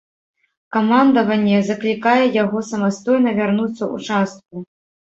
Камандаванне заклікае яго самастойна вярнуцца ў частку.